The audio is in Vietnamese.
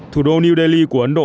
thủ đô new delhi của ấn độ